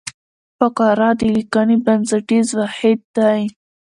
فقره د لیکني بنسټیز واحد دئ.